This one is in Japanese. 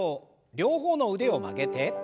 両方の腕を曲げて。